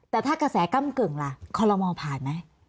แต่ถ้ากระแสก้ำกึ่งล่ะคอลโลมอลผ่านไหม